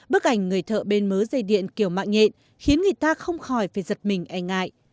bức ảnh người thợ bên mớ dây điện kiểu mạng nhện khiến người ta không khỏi phải giật mình e ngại